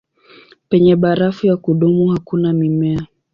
Penye barafu ya kudumu hakuna mimea.